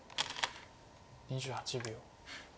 ２８秒。